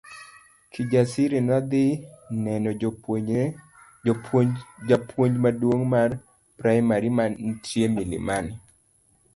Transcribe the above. Kijasiri nodhi neno japuonj maduong' mar primari mantie Mlimani.